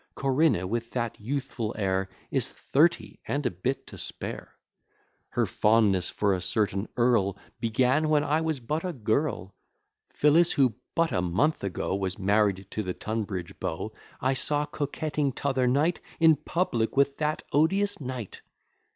Corinna, with that youthful air, Is thirty, and a bit to spare: Her fondness for a certain earl Began when I was but a girl! Phillis, who but a month ago Was married to the Tunbridge beau, I saw coquetting t'other night In public with that odious knight!